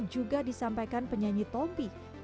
juga disampaikan penyanyi tompi